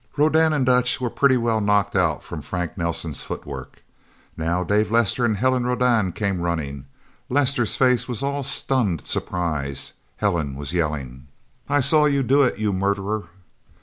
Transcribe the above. Rodan and Dutch were pretty well knocked out from Frank Nelsen's footwork. Now Dave Lester and Helen Rodan came running. Lester's face was all stunned surprise. Helen was yelling. "I saw you do it you murderer!"